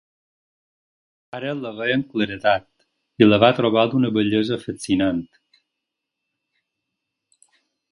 Ara la veia amb claredat, i la va trobar d'una bellesa fascinant.